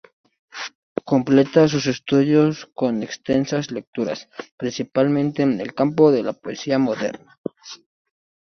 Complementa sus estudios con extensas lecturas, principalmente en el campo de la poesía moderna.